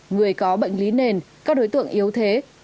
người có bệnh lý nền các đối tượng yếu thế